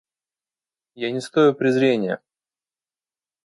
Я не стою презрения.